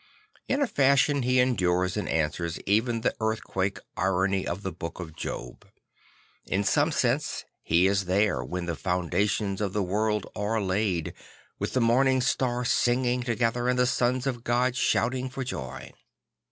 In a fashion he endures and answers even the earthquake irony of the Book of Job; in some sense he is there when the foundations of the world are laid, with the morning stars singing together and the sons of God shout ing for joy.